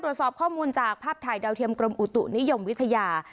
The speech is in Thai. ตรวจสอบข้อมูลจากภาพถ่ายดาวเทียมกรมอุตุนิยมวิทยา